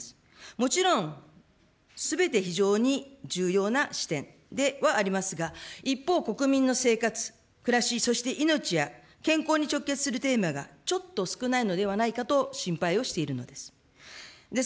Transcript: もちろん、すべて非常に重要な視点ではありますが、一方、国民の生活、暮らし、そして命や健康に直結するテーマがちょっと少ないのではないかと心配をしているのです。